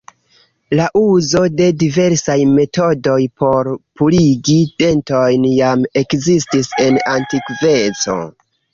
La uzo de diversaj metodoj por purigi dentojn jam ekzistis en antikveco.